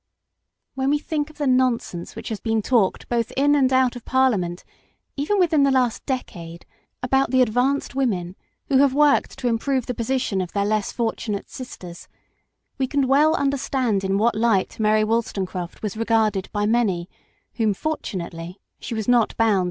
When we think of the non sense which has been talked both in and out of Parliament, even within the last decade, about the advanced women who have worked to improve the position of their less fortunate sisters, we can well understand in what light Mary Wollstonecraft was regarded by many whom fortunately she was not bound PARENTAGE.